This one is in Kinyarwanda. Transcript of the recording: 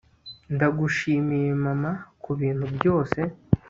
ndagushimiye, mama, kubintu byose